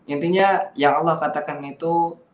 intinya yang allah katakan itu